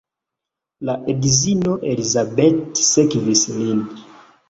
La edzino Elizabeth sekvis lin.